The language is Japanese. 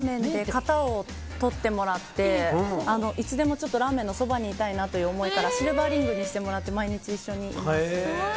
ラーメンで型を取ってもらっていつでもラーメンのそばにいたいなという思いからシルバーリングにしてもらって毎日一緒にいます。